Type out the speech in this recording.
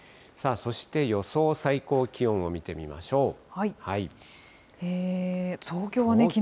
そして、予想最高気温を見てみましょう。